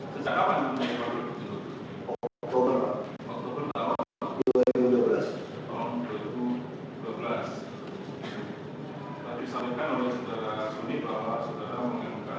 sejak tahun dua ribu dua belas ya sampai sekarang